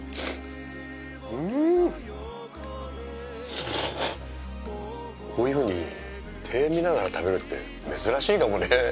うーん！こういうふうに庭園見ながら食べるって珍しいかもね。